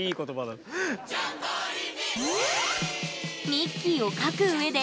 ミッキーを描くうえで